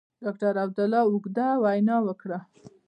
ډاکټر عبدالله اوږده وینا وکړه.